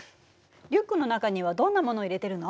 リュックの中にはどんな物を入れてるの？